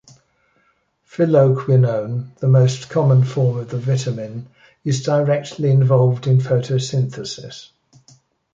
Phylloquinone, the most common form of the vitamin, is directly involved in photosynthesis.